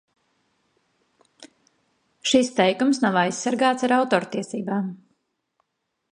Šis teikums nav aizsargāts ar autortiesībām.